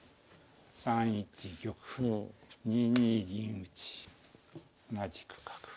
３一玉２二銀打同じく角。